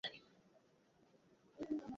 অই ইঞ্জেকশনে তোমার কিচ্ছু হবে না।